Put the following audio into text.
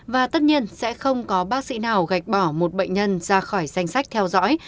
và tất nhiên sẽ không có bác sĩ nào gạch bỏ một bệnh nhân ra khỏi danh sách theo dõi